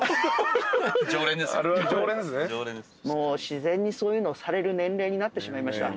自然にそういうのをされる年齢になってしまいました。